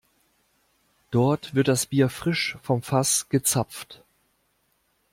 Dort wird das Bier frisch vom Fass gezapft.